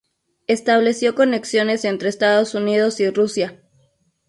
Estableció conexiones entre Estados Unidos y Rusia.